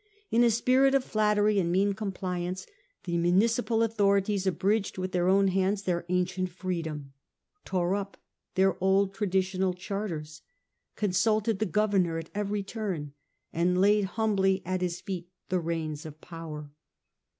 In a spirit (i) The mu of flattery and mean compliance, the municipal authorities abridged with their own hands interference, their ancient freedom, tore up their old tra ditional charters, consulted the governor at every turn, and laid humbly at his feet the reins of power.